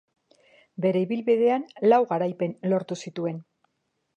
Bere ibilbidean lau garaipen lortu zituen.